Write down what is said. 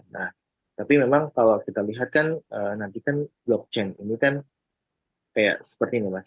nah tapi memang kalau kita lihat kan nanti kan blockchain ini kan kayak seperti ini mas